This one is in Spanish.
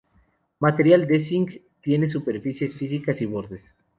Material Design tiene superficies físicas y bordes.